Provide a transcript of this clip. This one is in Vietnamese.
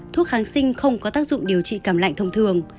thuốc kháng sinh không có tác dụng điều trị cảm lạnh thông thường